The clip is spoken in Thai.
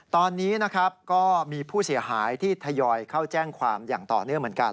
ตอนนี้นะครับก็มีผู้เสียหายที่ทยอยเข้าแจ้งความอย่างต่อเนื่องเหมือนกัน